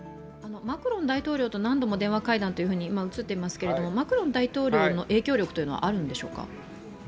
マクロン大統領と何度も電話会談と映っていますがマクロン大統領の影響力はあるんでしょうか？